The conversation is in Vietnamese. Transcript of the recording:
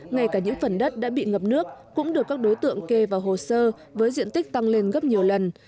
ngay cả những phần đất đã bị ngập nước cũng được các đối tượng kê vào hồ sơ với diện tích tăng lên gấp nhiều lần